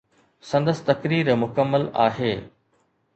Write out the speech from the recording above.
سندس تقرير مڪمل آهي